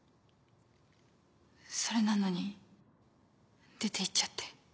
それなのに出て行っちゃって。